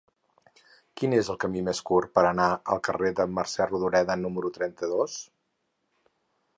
Quin és el camí més curt per anar al carrer de Mercè Rodoreda número trenta-dos?